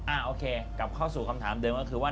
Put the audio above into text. โอเคกลับเข้าสู่คำถามเดิมก็คือว่า